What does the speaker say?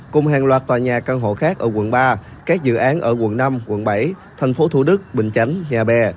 cùng hàng loạt tòa nhà căn hộ khác ở quận ba các dự án ở quận năm quận bảy tp thủ đức bình chánh nhà bè